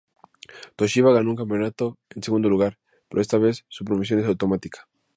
Toshiba ganó un campeonato en segundo lugar, pero esta vez su promoción es automática.